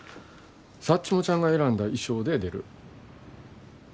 サッチモちゃんが選んだ衣装で出る。